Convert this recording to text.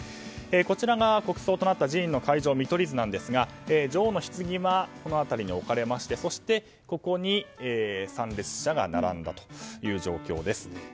こちらが国葬となった寺院会場の見取り図なんですが女王のひつぎはこの辺りに置かれましてここに参列者が並んだという状況です。